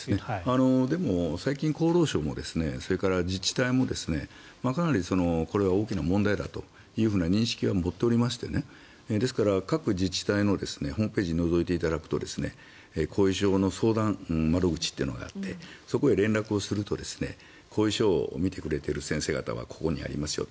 でも、最近厚労省もそれから自治体もかなりこれは大きな問題だという認識は持っておりまして各自治体のホームページをのぞいていただくと後遺症の相談窓口というのがあってそこへ連絡をすると後遺症を診てくれている先生方はここにありますよと。